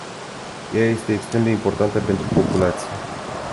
Ea este extrem de importantă pentru populație.